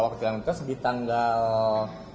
awal kecelakaan lintas di tanggal